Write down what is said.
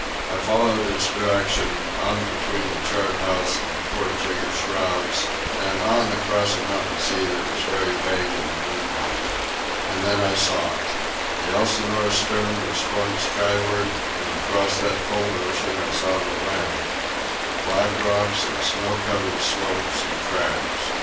I followed its direction, on between the chart house and the port jigger shrouds, and on across a mountain sea that was very vague in the moonlight. And then I saw it! The Elsinore's stern was flung skyward, and across that cold ocean I saw land—black rocks and snow covered slopes and crags.